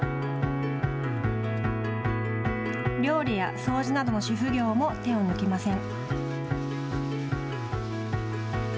料理や掃除などの主婦業も手を抜きません。